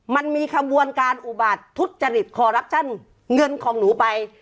มันมีขบวนการอุบาททุจริตคอรับชั่นเงินของหนูไป